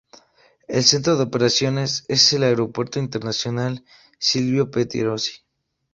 El centro de operaciones es el Aeropuerto Internacional Silvio Pettirossi.